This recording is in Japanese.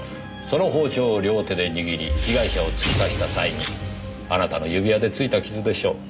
その包丁を両手で握り被害者を突き刺した際にあなたの指輪でついた傷でしょう。